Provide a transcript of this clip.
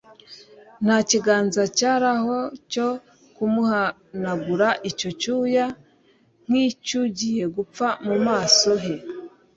Nta kiganza cyari aho cyo kumuhanagura icyo cyuya nk'icy'ugiye gupfa mu maso he,